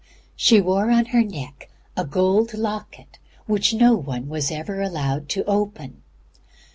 She wore on her neck a gold locket which no one was ever allowed to open.